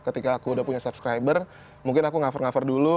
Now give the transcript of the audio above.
ketika aku udah punya subscriber mungkin aku cover cover dulu